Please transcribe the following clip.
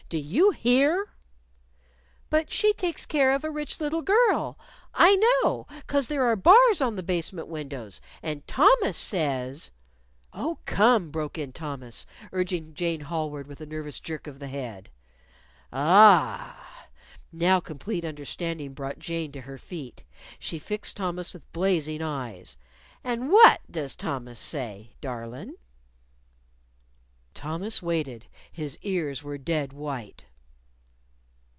Do you hear?" "But she takes care of a rich little girl. I know 'cause there are bars on the basement windows. And Thomas says " "Oh, come" broke in Thomas, urging Jane hallward with a nervous jerk of the head. "Ah!" Now complete understanding brought Jane to her feet. She fixed Thomas with blazing eyes. "And what does Thomas say, darlin'?" Thomas waited. His ears were a dead white.